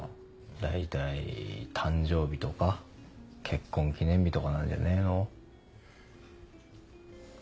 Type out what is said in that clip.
大体誕生日とか結婚記念日とかなんじゃねえの？